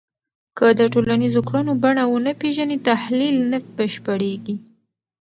که د ټولنیزو کړنو بڼه ونه پېژنې، تحلیل نه بشپړېږي